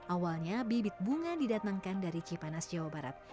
awalnya bibit bunga didatangkan dari cipanas jawa barat